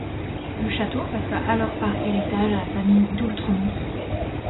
Le château passa alors par héritage à la famille d'Oultremont.